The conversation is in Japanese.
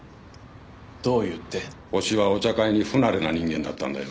ホシはお茶会に不慣れな人間だったんだよ